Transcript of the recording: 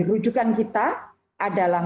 rujukan kita adalah